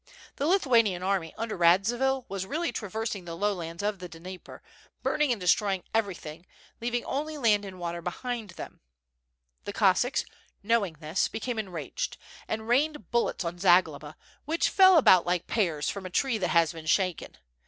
The Lithuanina army under Sadzivil was really traversing the lowlands of the Dnieper, burning and destroying everything, and leaving only land and water be hind them. The Cossacks knowing this, became enraged, and rained bullets on Zagloba, which fell about like pears from a tree that has been shaken.